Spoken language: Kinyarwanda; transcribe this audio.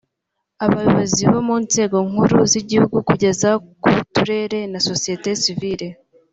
Abayobozi bo mu nzego nkuru z’igihugu kugeza ku b’Uturere na Sosiyete Sivile